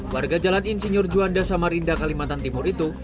warga jalan insinyur juanda samarinda kalimantan timur itu